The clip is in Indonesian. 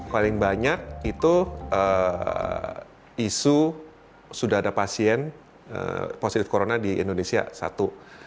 paling banyak itu isu sudah ada pasien positif corona di indonesia satu